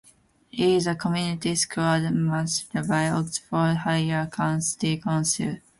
It is a community school administered by Oxfordshire County Council.